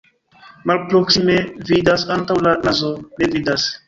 Malproksime vidas, antaŭ la nazo ne vidas.